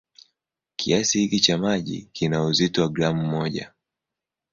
Kiasi hiki cha maji kina uzito wa gramu moja.